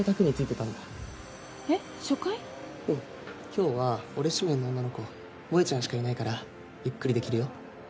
今日は俺指名の女の子萌ちゃんしかいないからゆっくりできるよ。